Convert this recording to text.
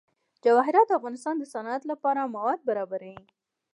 جواهرات د افغانستان د صنعت لپاره مواد برابروي.